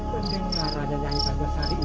pendengarannya nyanyikan besar itu